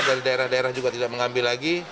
dari daerah daerah juga tidak mengambil lagi